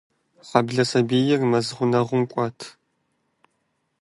Хьэблэ сабийр мэз гъунэгъум кӀуат.